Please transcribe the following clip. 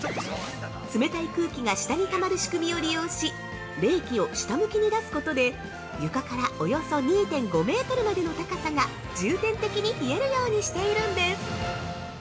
冷たい空気が下にたまる仕組みを利用し、冷気を下向きに出す事で、床からおよそ２．５メートルまでの高さが重点的に冷えるようにしているんです。